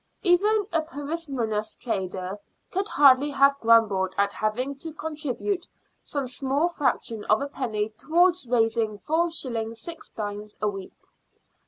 Even a parsimonious trader could hardly have grumbled at having to contribute some small fraction of a penny towards raising 4s. 6d. a week.